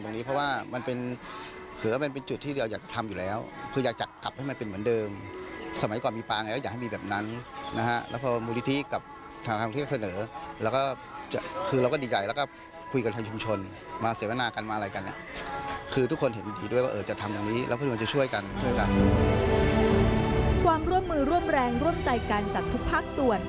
ความร่วมมือร่วมแรงร่วมใจกันจากทุกภาคส่วน